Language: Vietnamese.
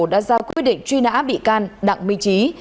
đã ra quyết định truy nã bị can đặng minh trí